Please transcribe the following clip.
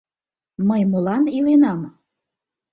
Мый молан иленам?